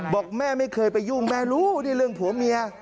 บอกแม่ไม่เคยไปยุ่งแม่รู้นี่เรื่องผัวเมีย